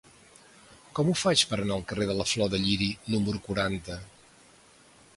Com ho faig per anar al carrer de la Flor de Lliri número quaranta?